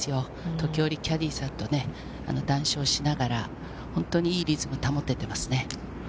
時折、キャディーさんと談笑しながらいいリズムを保てていますね。